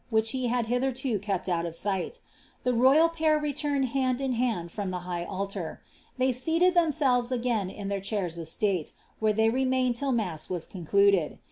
which he had hitherto kept out of sight The rc^^il pair returned hand m hand from the high altar. They seated themselves again k their chairs of state, where they remained till mass was concluded.